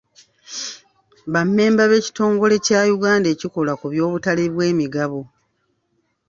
Ba mmemba b'ekitongole kya Uganda ekikola ku by'obutale bw'emigabo.